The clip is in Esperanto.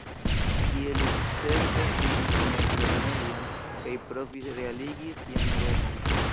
Tie li sukcese finis mezlernejon kaj provis realigi sian revon.